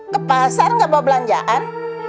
ke pasar nggak bawa belanjaan